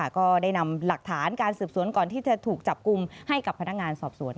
ก็ได้นำหลักฐานการสืบสวนก่อนที่จะถูกจับกลุ่มให้กับพนักงานสอบสวน